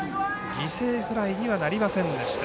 犠牲フライにはなりませんでした。